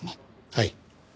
はい。